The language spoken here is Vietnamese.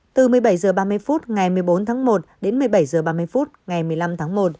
từ một mươi bảy h ba mươi phút ngày một mươi bốn tháng một đến một mươi bảy h ba mươi phút ngày một mươi năm tháng một